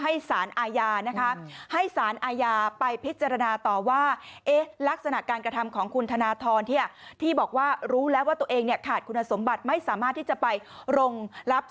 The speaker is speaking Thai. ให้สารอาญาให้สารอาญาไปพิจารณาต่อว่าลักษณะการกระทำของคุณธนทรที่อ่ะ